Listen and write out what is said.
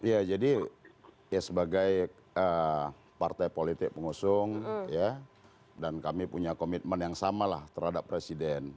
ya jadi ya sebagai partai politik pengusung ya dan kami punya komitmen yang sama lah terhadap presiden